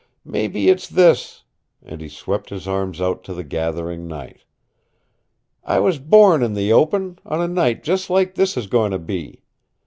"Mebby it's this " and he swept his arms out to the gathering night. "I was born in the open, on a night just like this is going to be.